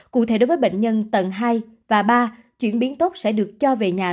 cụ thể đối với bệnh nhân tầng hai và ba chuyển biến tốt sẽ được cho về nhà